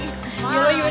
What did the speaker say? ini siapa yang mulis